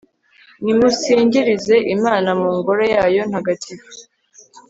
nimusingirize imana mu ngoro yayo ntagatifu